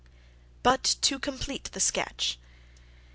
But to complete the sketch.